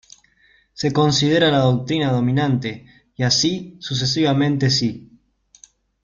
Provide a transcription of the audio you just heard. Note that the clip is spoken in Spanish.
Se considera la doctrina dominante y así sucesivamente si.